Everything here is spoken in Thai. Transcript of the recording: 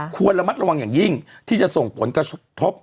ควรระมัดระวังอย่างยิ่งที่จะส่งผลกระทบ